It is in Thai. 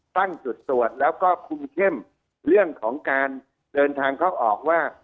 ตั้งจุดตรวจแล้วก็คุมเข้มเรื่องของการเดินทางเข้าออกว่า